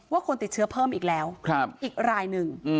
คนติดเชื้อเพิ่มอีกแล้วอีกรายหนึ่ง